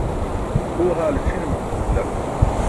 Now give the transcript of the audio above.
Uwe haale ćʰi̇ne mamu ke bila.